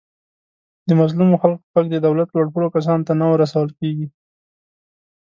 د مظلومو خلکو غږ د دولت لوپوړو کسانو ته نه ورسول کېږي.